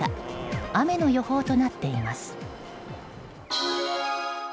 雨の予報となっています。